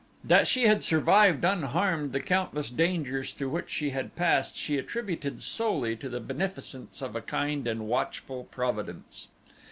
That she had survived unharmed the countless dangers through which she had passed she attributed solely to the beneficence of a kind and watchful Providence.